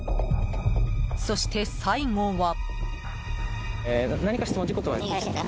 そして、最後は。